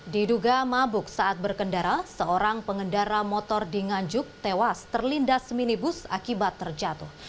diduga mabuk saat berkendara seorang pengendara motor di nganjuk tewas terlindas minibus akibat terjatuh